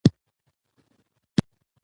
سیاسي مشرتابه صداقت غواړي